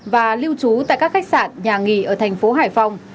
và lưu trú tại các khách sạn nhà nghỉ ở tp hải phòng